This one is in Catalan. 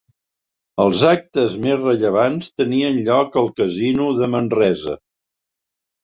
Els actes més rellevants tenien lloc al Casino de Manresa.